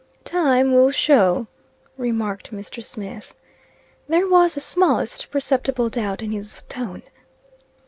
"Time will show," remarked Mr. Smith. There was the smallest perceptible doubt in his tone.